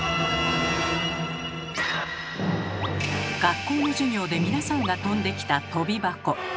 学校の授業で皆さんがとんできたとび箱。